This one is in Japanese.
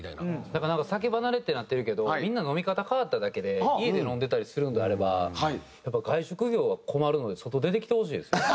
だからなんか酒離れってなってるけどみんな飲み方変わっただけで家で飲んでたりするのであればやっぱ外食業は困るので外出てきてほしいですよね。